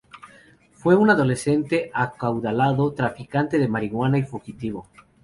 Fue un adolescente acaudalado, traficante de marihuana y fugitivo.